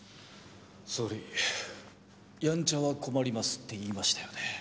総理やんちゃは困りますって言いましたよね。